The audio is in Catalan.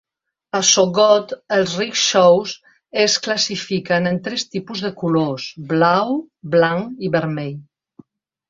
A Sogod, els "rickshaws" es classifiquen en tres tipus de colors: blau, blanc i vermell.